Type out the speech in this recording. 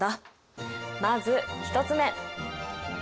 まず１つ目。